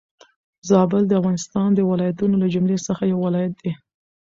زابل د افغانستان د ولايتونو له جملي څخه يو ولايت دي.